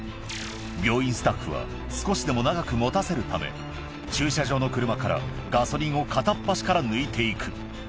病院スタッフは少しでも長くもたせるため、駐車場の車からガソリンを片っ端から抜いていく。